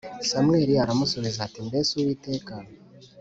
Samweli aramusubiza ati mbese uwiteka